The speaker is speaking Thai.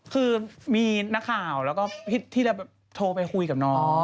คือมีนักข่าวแล้วก็ที่จะโทรไปคุยกับน้อง